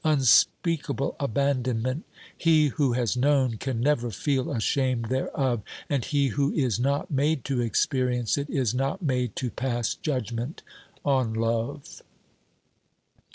Unspeakable abandonment ! He who has known can never feel ashamed thereof, and he who is not made to experience it is not made to pass judgment on love.